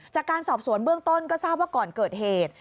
จากการสอบสวนเบื้องต้นก็ทราบว่าก่อนเกิดเหตุ